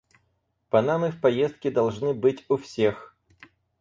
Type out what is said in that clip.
Панамы в поездке должны быть у всех.